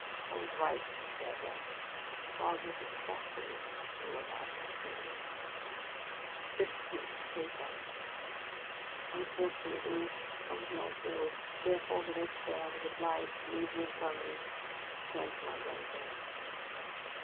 I was right to prefer death; rather the Scaffold than what I had seen ! FIFTEENTH PAPER T TNFORTUNATELY I was not ill; therefore the next \_J day I was obliged to leave the Infirmary to return to my dungeon.